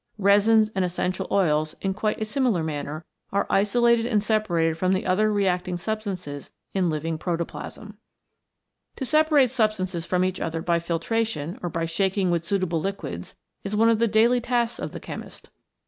Resins and essential oils in quite a similar manner are isolated and separated from the other reacting substances in living protoplasm. 70 REACTIONS IN LIVING MATTER To separate substances from each other by nitration or by shaking with suitable liquids is one of the daily tasks of the chemist.